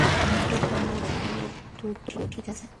Monte Carlo তো তবুও ঠিক আছে।